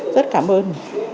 rất cảm ơn